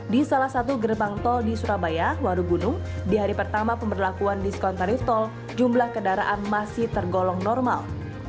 di salah satu gerbang tol di surabaya warugunung di hari pertama pemberlakuan diskon tarif tol jumlah kendaraan masih tergolong normal